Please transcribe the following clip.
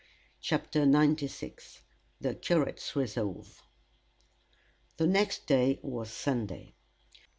CHAPTER XXIX. THE CURATE'S RESOLVE. The next day was Sunday.